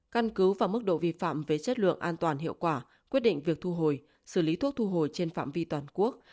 căn cứ và mức độ vi phạm về chất lượng an toàn hiệu quả quyết định việc thu hồi xử lý thuốc thu hồi trên phạm vi toàn quốc